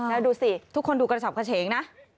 แล้วดูสิทุกคนดูกระสอบกระเฉงนะ